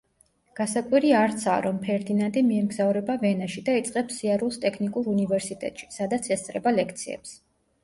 გასაკვირი არცაა, რომ ფერდინანდი მიემგზავრება ვენაში და იწყებს სიარულს ტექნიკურ უნივერსიტეტში, სადაც ესწრება ლექციებს.